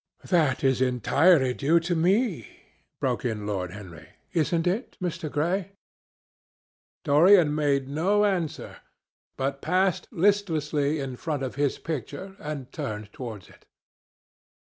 "That is entirely due to me," broke in Lord Henry. "Isn't it, Mr. Gray?" Dorian made no answer, but passed listlessly in front of his picture and turned towards it.